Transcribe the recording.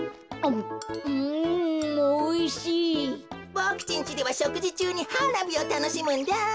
ボクちんちではしょくじちゅうにはなびをたのしむんだ。